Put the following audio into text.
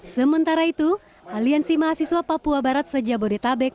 sementara itu aliansi mahasiswa papua barat sejak bodetabek